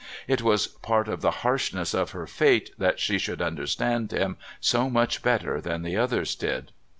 It was part of the harshness of her fate that she should understand him so much better than the others did.